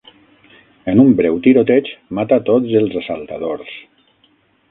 En un breu tiroteig, mata tots els assaltadors.